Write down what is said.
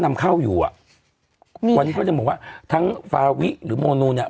นำเข้าอยู่อ่ะอืมวันนี้เขาจะบอกว่าทั้งฟาวิหรือโมนูเนี้ย